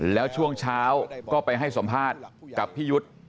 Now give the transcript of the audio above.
แล้วช่วงเช้าก็ไปให้สัมภาษณ์กับพี่ยุทธ์